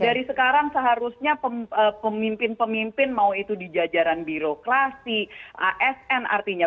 dari sekarang seharusnya pemimpin pemimpin mau itu di jajaran birokrasi asn artinya